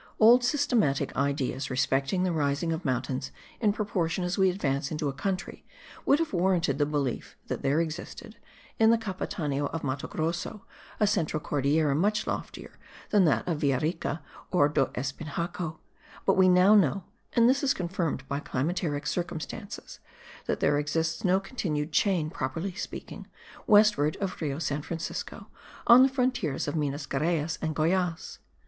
Old systematic ideas respecting the rising of mountains in proportion as we advance into a country, would have warranted the belief that there existed, in the Capitania of Mato Grosso, a central Cordillera much loftier than that of Villarica or do Espinhaco; but we now know (and this is confirmed by climateric circumstances) that there exists no continued chain, properly speaking, westward of Rio San Francisco, on the frontiers of Minas Geraes and Goyaz.